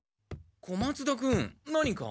小松田君何か？